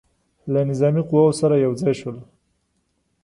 له نظامي قواوو سره یو ځای شول.